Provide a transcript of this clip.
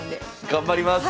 頑張ります。